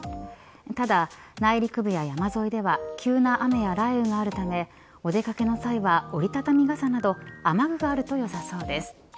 ただ、内陸部や山沿いでは急な雨や雷雨があるためお出掛けの際は折りたたみ傘など雨具があると良さそうです。